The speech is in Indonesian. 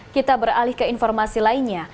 kita beralih ke informasi lainnya